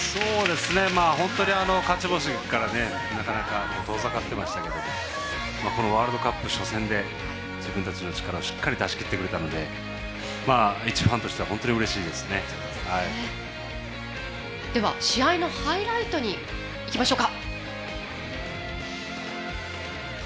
本当に勝ち星からなかなか遠ざかってましたけどこのワールドカップ初戦で自分たちの力をしっかり出しきってくれたので一ファンとしては試合のハイライトにいきましょう。